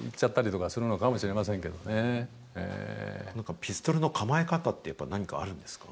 ピストルの構え方って、何かあるんですか。